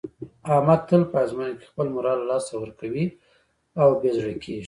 احمد تل په ازموینه کې خپل مورال له لاسه ورکوي او بې زړه کېږي.